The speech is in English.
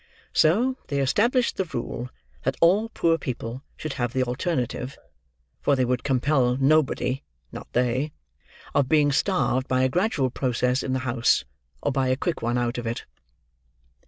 So, they established the rule, that all poor people should have the alternative (for they would compel nobody, not they), of being starved by a gradual process in the house, or by a quick one out of it.